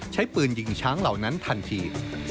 ใช้ปืนยิงช้างเหล่านั้นทันที